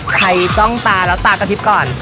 ใครจ้องตาร้อะไรกะพิก่อน